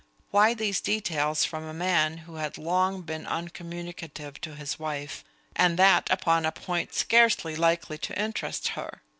Why these details from a man who had long been uncommunicative to his wife, and that upon a point scarcely likely to interest her?